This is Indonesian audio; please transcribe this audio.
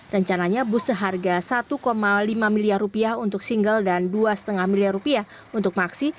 rencananya bus seharga rp satu lima miliar untuk single dan rp dua lima miliar untuk maxi